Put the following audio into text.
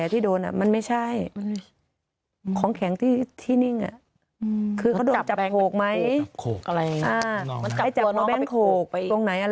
ตรงไหนอะไรยังไง